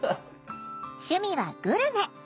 趣味はグルメ。